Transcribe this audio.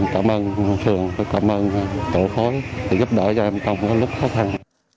cảm ơn thường cảm ơn tổ khối giúp đỡ cho em trong lúc khó khăn